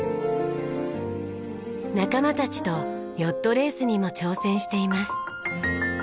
仲間たちとヨットレースにも挑戦しています。